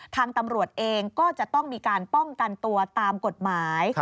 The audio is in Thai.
ทางตำรวจเองก็จะต้องมีการป้องกันตัวตามกฎหมาย